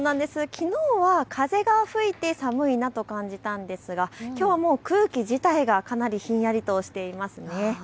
きのうは風が吹いて寒いなと感じたんですがきょうはもう空気自体がかなり、ひんやりとしています。